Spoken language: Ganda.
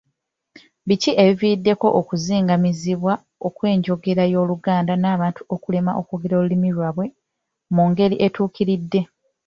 Biki ebiviiriddeko okuzingamizibwa kw’enjogera y’Oluganda n’abantu okulemwa okwogera olulimi lwabwe mu ngeri etuukiridde?